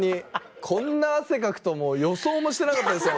こんな汗かくともう予想もしてなかったですよ